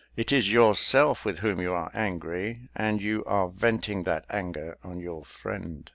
It is yourself with whom you are angry, and you are venting that anger on your friend."